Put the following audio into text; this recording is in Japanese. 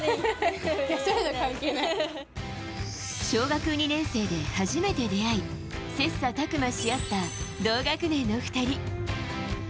小学２年生で初めて出会い切磋琢磨し合った同学年の２人。